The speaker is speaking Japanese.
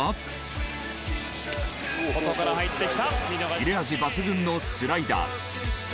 切れ味抜群のスライダー。